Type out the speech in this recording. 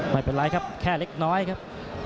ไม่เป็นไรครับแค่เล็กน้อยครับ